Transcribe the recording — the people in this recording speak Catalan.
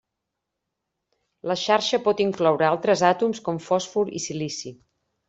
La xarxa pot incloure altres àtoms com fòsfor i silici.